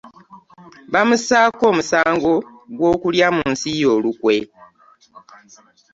Bamusako omusango gwo kulya munsi ye olukwe.